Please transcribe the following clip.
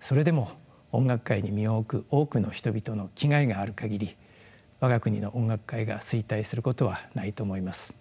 それでも音楽界に身を置く多くの人々の気概がある限り我が国の音楽界が衰退することはないと思います。